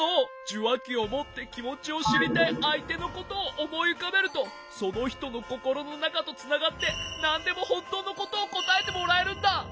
じゅわきをもってきもちをしりたいあいてのことをおもいうかべるとそのひとのココロのなかとつながってなんでもほんとうのことをこたえてもらえるんだ。